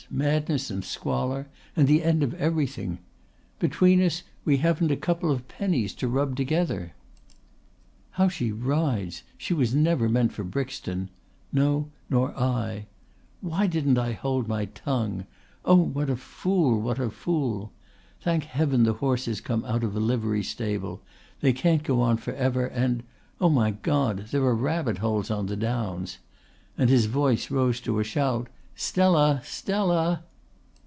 madness and squalor and the end of everything ... Between us we haven't a couple of pennies to rub together ... How she rides! ... She was never meant for Brixton ... No, nor I ... Why didn't I hold my tongue? ... Oh what a fool, what a fool! Thank Heaven the horses come out of a livery stable ... They can't go on for ever and oh, my God! there are rabbit holes on the Downs." And his voice rose to a shout: "Stella! Stella!"